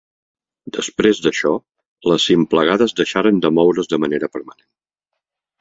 Després d'això, les Symplegades deixaren de moure's de manera permanent.